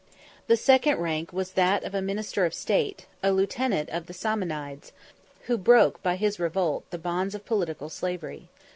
The second rank was that of a minister of state, a lieutenant of the Samanides, 2 who broke, by his revolt, the bonds of political slavery.